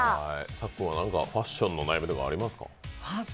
さっくんは何かファッションの悩みとかありますか？